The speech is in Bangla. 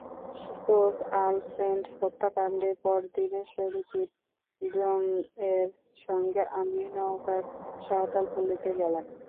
তো, আলফ্রেড হত্যাকাণ্ডের পরদিন সঞ্জীব দ্রংয়ের সঙ্গে আমি নওগাঁর সাঁওতালপল্লিতে গেলাম।